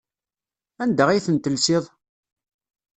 Anda ay ten-telsiḍ?